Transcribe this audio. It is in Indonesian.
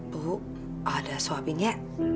bu ada suaminya